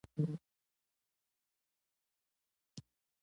سړی پړی کښته کړ.